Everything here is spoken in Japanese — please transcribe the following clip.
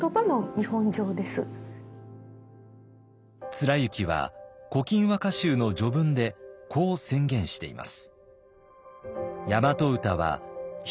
貫之は「古今和歌集」の序文でこう宣言しています。